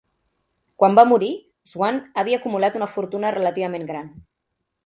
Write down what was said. Quan va morir, Swan havia acumulat una fortuna relativament gran.